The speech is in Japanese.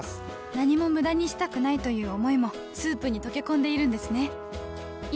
何も無駄にしたくないという想いもスープに溶け込んでいるんですね